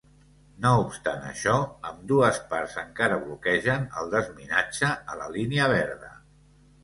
No obstant això, ambdues parts encara bloquegen el desminatge a la Línia Verda.